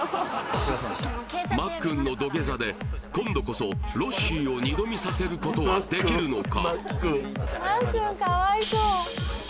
土下座で今度こそロッシーを２度見させることはできるのか？